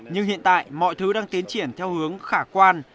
nhưng hiện tại mọi thứ đang tiến triển theo hướng khả quan